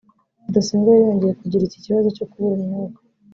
Rudasingwa yari yongeye kugira iki kibazo cyo kubura umwuka